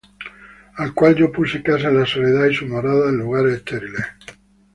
Al cual yo puse casa en la soledad, Y sus moradas en lugares estériles.